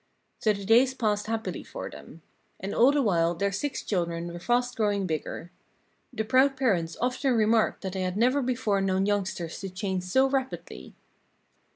So the days passed happily for them. And all the while their six children were fast growing bigger. The proud parents often remarked that they had never before known youngsters to change so rapidly.